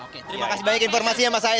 terima kasih banyak informasinya mas haye